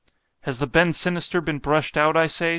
—Has the bend sinister been brush'd out, I say?